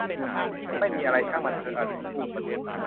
ไม่มีอะไร ช่างมันเถอะ อลิสพูด